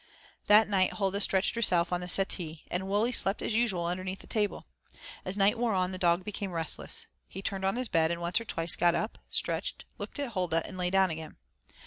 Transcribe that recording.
That night Huldah stretched herself on the settee and Wully slept as usual underneath the table. As night wore on the dog became restless. He turned on his bed and once or twice got up, stretched, looked at Huldah and lay down again.